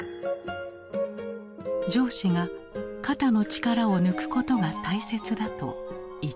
上司が「肩の力を抜くことが大切だ」と言ったような気がした。